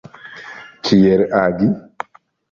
Kiel agi?